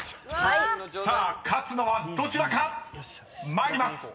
［さあ勝つのはどちらか⁉参ります］